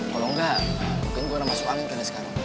kalau enggak mungkin gue udah masuk angin kayaknya sekarang